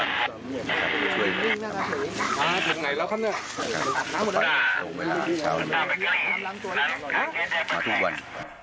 น่าทุกวัน